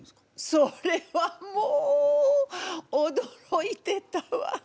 それはもうおどろいてたわ！